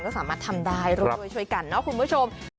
ก็สามารถทำได้ด้วยช่วยกันเนาะคุณผู้ชม